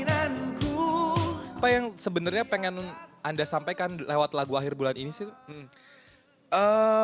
apa yang sebenarnya pengen anda sampaikan lewat lagu akhir bulan ini sih